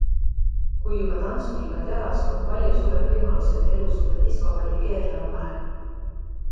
Kui juba tantsukingad jalas, on palju suurem võimalus, et elu sulle diskopalli keerlema paneb.